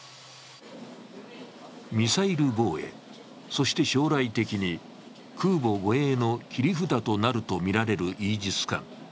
ミサイル防衛、そして将来的に空母護衛の切り札となるとみられるイージス艦。